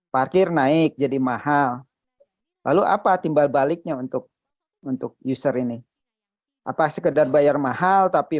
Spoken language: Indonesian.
parkir naik jadi mahal lalu apa timbal baliknya untuk untuk user ini apa sekedar bayar mahal tapi